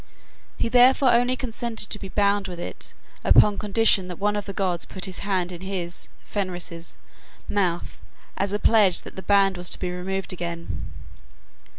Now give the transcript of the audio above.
He therefore only consented to be bound with it upon condition that one of the gods put his hand in his (Fenris's) mouth as a pledge that the band was to be removed again.